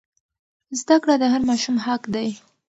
زده کړه د هر ماشوم حق دی.